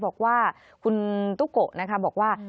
บอกว่าคุณตุ๊กโกะนะคะบอกว่า